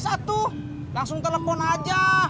satu langsung telepon aja